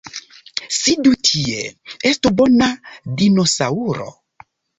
Sidu tie! Estu bona dinosaŭro!